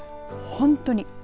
本当に。